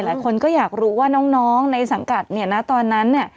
หลายคนก็อยากรู้ว่าน้องในสังกัดเนี่ยนะตอนนั้นเนี่ย